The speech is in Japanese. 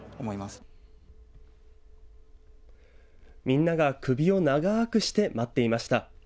みんなが首を長くして待っていました。